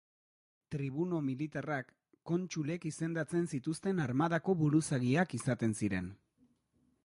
Tribuno militarrak, kontsulek izendatzen zituzten armadako buruzagiak izaten ziren.